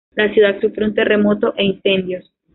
La ciudad sufrió un terremoto e incendios.